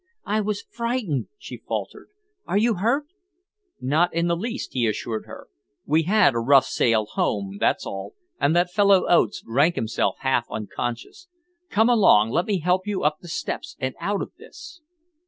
"I was frightened," she faltered. "Are you hurt?" "Not in the least," he assured her. "We had a rough sail home, that's all, and that fellow Oates drank himself half unconscious. Come along, let me help you up the steps and out of this."